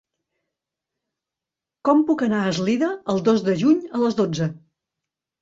Com puc anar a Eslida el dos de juny a les dotze?